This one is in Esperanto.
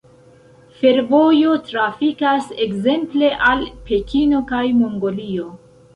Fervojo trafikas ekzemple al Pekino kaj Mongolio.